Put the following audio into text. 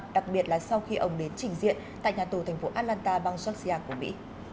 đặc biệt là sau khi ông đến trình diện tại nhà tù thành phố atlanta bang georgia của mỹ